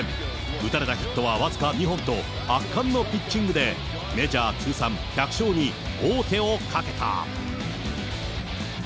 打たれたヒットは僅か２本と、圧巻のピッチングでメジャー通算１００勝に王手をかけた。